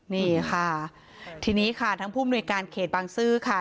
นี่ค่ะทีนี้ค่ะทั้งผู้มนุยการเขตบางซื่อค่ะ